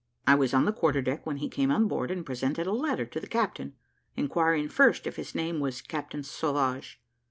I was on the quarter deck when he came on board and presented a letter to the captain, inquiring first if his name was "Captain Sauvage."